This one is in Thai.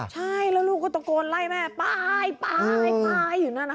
ใช่แล้วลูกก็ตะโกนไล่แม่ไปอยู่นั่นนะ